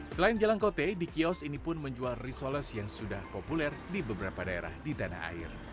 selain jalan kote di kios ini pun menjual risoles yang sudah populer di beberapa daerah di tanah air